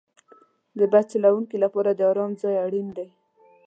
د بس چلوونکي لپاره د آرام ځای اړین دی.